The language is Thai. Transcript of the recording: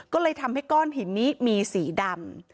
ก็เลยทำให้ก้อนหินนี้มีสีดำ